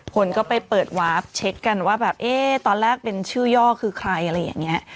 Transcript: คนก็ไปเปิดวาร์ฟเช็คกันว่าแบบเอ๊ะตอนแรกเป็นชื่อย่อคือใครอะไรอย่างนี้